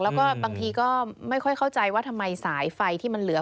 แล้วก็บางทีก็ไม่ค่อยเข้าใจว่าทำไมสายไฟที่มันเหลือ